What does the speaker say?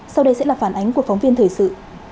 sau đây sẽ là phản ánh của phóng viên thời sự